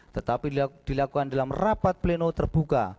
tetapi dilakukan dalam rapat pleno terbuka